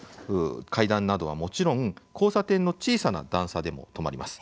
階段などはもちろん交差点の小さな段差でも止まります。